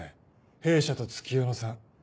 弊社と月夜野さん